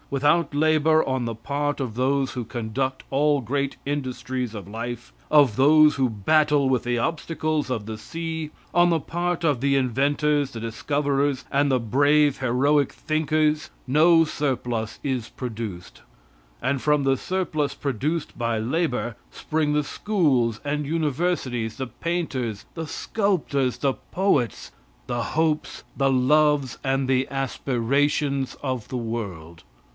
Without labor on the part of those who conduct all great industries of life, of those who battle with the obstacles of the sea, on the part of the inventors, the discoverers, and the brave, heroic thinkers, no surplus is produced; and from the surplus produced by labor, spring the schools and universities, the painters, the sculptors, the poets, the hopes, the loves and the aspirations of the world.